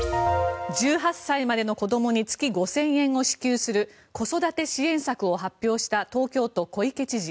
１８歳までの子どもに月５０００円を支給する子育て支援策を発表した東京都、小池知事。